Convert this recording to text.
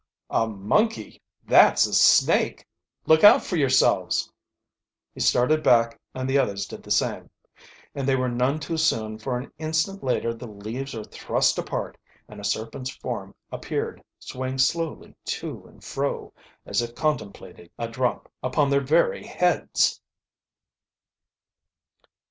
"A monkey? That's a snake! Look out for yourselves!" He started back and the others did the same. And they were none too soon, for an instant later the leaves were thrust apart and a serpent's form appeared, swaying slowly to and fro, as if contemplating a drop upon their very heads!